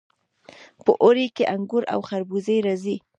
په اوړي کې انګور او خربوزې راځي.